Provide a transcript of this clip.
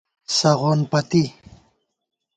سغون پتی